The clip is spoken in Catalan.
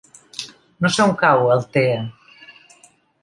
No sé on cau Altea.